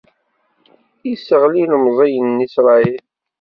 Isseɣli ilemẓiyen n Isṛayil.